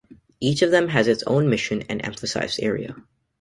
Each of them has its own mission and emphasized area.